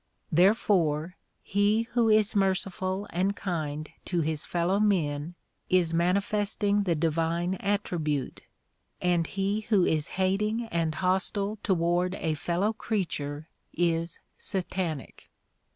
Therefore he who is merci ful and kind to his fellowmcn is manifesting the divine attribute, and he who is hating and hostile toward a fellow creature is Satanic.